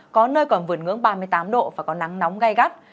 có nơi còn vượt ngưỡng ba mươi tám độ và có nắng nóng gai gắt